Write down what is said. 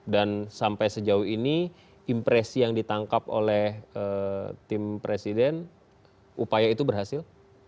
sampai sejauh ini impresi yang ditangkap oleh tim presiden upaya itu berhasil